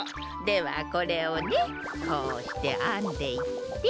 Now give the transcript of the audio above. ではこれをねこうしてあんでいって。